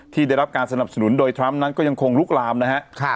ที่ได้รับการสนับสนุนโดยทรัมป์นั้นก็ยังคงลุกลามนะฮะ